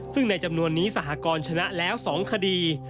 ซึ่งในจำนวนนี้สหกรณ์ชนะแล้ว๒คดี